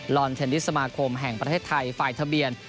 อนเทนนิสสมาคมแห่งประเทศไทยฝ่ายทะเบียน